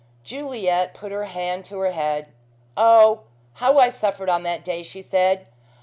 Juliet put her hand to her head. "Oh, how I suffered on that day," she said.